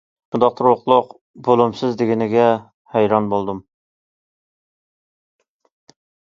شۇنداق تۇرۇقلۇق،« بولۇمسىز» دېگىنىگە ھەيران بولدۇم.